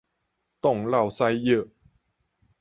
擋落屎藥